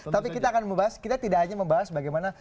tapi kita tidak hanya membahas bagaimana